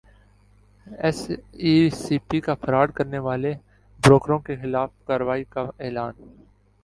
S E C P کا fraud کرنیوالے بروکروں کیخلاف کارروائی کا اعلان